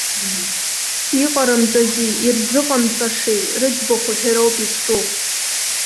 Иҟарымҵази ирзыҟамҵашеи рыӡбахә аҳәароуп изҿу.